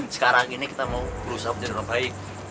sekarang ini kita mau berusaha menjadi orang baik